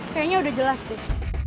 kayaknya udah jelas deh